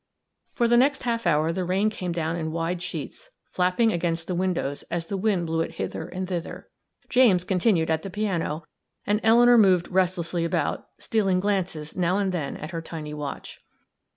For the next half hour the rain came down in wide sheets, flapping against the windows, as the wind blew it hither and thither. James continued at the piano, and Eleanor moved restlessly about, stealing glances, now and then, at her tiny watch.